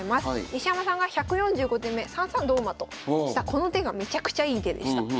西山さんが１４５手目３三同馬としたこの手がめちゃくちゃいい手でした。